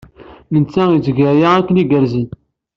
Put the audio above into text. Netta yetteg aya akken igerrez.